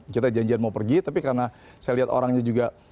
kita janjian mau pergi tapi karena saya lihat orangnya juga